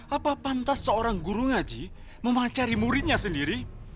apa pantas seorang guru ngaji memacari muridnya sendiri